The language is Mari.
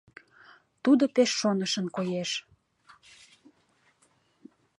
Тудо пеш шонышын коеш.